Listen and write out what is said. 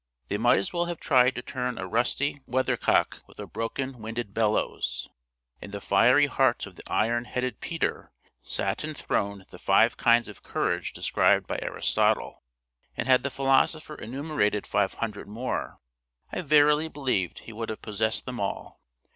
They might as well have tried to turn a rusty weathercock with a broken winded bellows. In the fiery heart of the iron headed Peter sat enthroned the five kinds of courage described by Aristotle, and had the philosopher enumerated five hundred more, I verily believed he would have possessed them all.